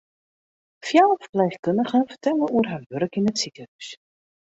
Fjouwer ferpleechkundigen fertelle oer har wurk yn it sikehûs.